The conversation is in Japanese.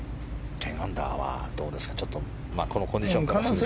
１０アンダーはどうですかこのコンディションからすると。